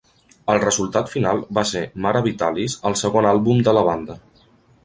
El resultat final va ser "Mare Vitalis", el segon àlbum de la banda.